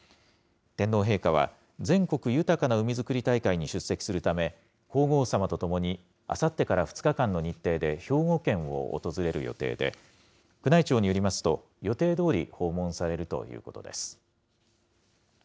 天皇陛下は、全国豊かな海づくり大会に出席するため、皇后さまと共にあさってから２日間の日程で、兵庫県を訪れる予定で、宮内庁によりますと、予定どおり訪問されるということです。